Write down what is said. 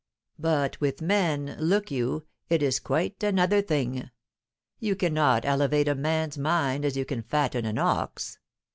But with men, look you, it is quite another thing. You cannot elevate a man's mind as you can fatten an ox.